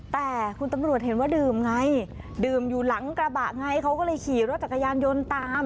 แต่คุณตำรวจเห็นว่าดื่มไงดื่มอยู่หลังกระบะไงเขาก็เลยขี่รถจักรยานยนต์ตาม